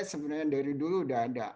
sebenarnya dari dulu udah ada